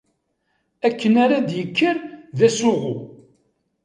Akken ara d-yekker d asuɣu.